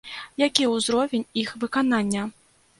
Які ўзровень іх выканання?